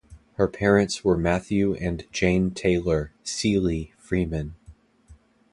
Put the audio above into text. Her parents were Matthew and Jane Taylor (Seeley) Freeman.